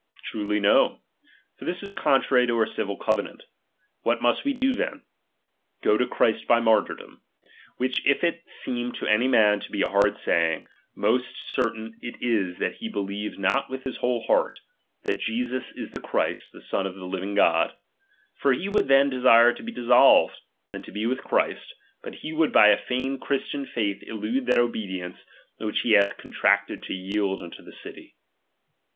Truly, no ; for this is contrary to our civil covenaDt. What must we do then ? Go to Christ by martyrdom; which if it seem to any man to be a hard saying, most certain it is that he beheves not with his whole heart, that Jesus Ix the Christ, the Son of the living God; for he would then desire to be dissolved, and to he with Christ ; but he would by a feigned Christian faith elude that obedience, which he hath contracted to yield unto the city.